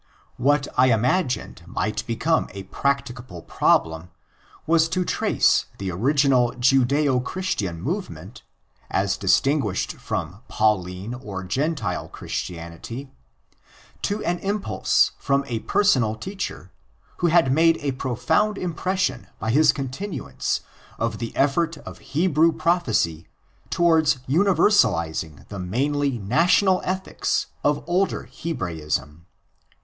What 1 imagined might become a practic able problem was to trace the original Judeo Christian movement, as distinguished from Pauline or Gentile Chris tianity, to an impulse from a personal teacher who had made a profound impression by his continuance of the effort of Hebrew prophecy towards universalising the mainly national ethics of older Hebraism.